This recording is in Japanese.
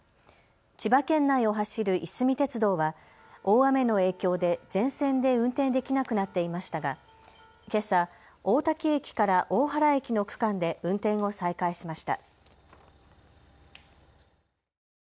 千葉県内を走るいすみ鉄道は大雨の影響で全線で運転できなくなっていましたがけさ大多喜駅から大原駅の区間で運転を再開しました。